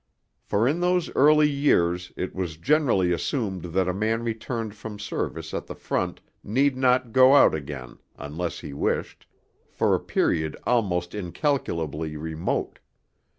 For in those early years it was generally assumed that a man returned from service at the front need not go out again (unless he wished) for a period almost incalculably remote.